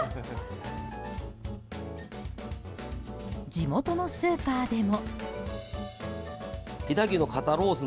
地元のスーパーでも。